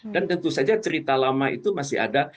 dan tentu saja cerita lama itu masih ada